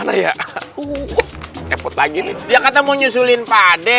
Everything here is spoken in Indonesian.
dia kata mau nyusulin pade